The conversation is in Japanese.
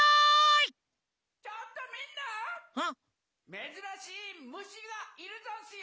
めずらしいむしがいるざんすよ！